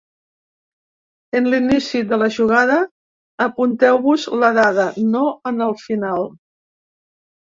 En l’inici de la jugada, apunteu-vos la dada, no en el final.